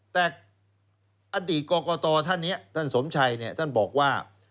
แต่อดีตกรกตท่านนี้ท่านสมชัยท่านบอกว่า